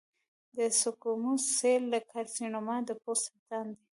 د سکوموس سیل کارسینوما د پوست سرطان دی.